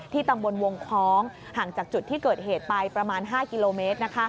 ตำบลวงคล้องห่างจากจุดที่เกิดเหตุไปประมาณ๕กิโลเมตร